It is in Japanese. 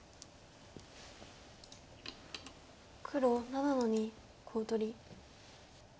黒７の二コウ取り。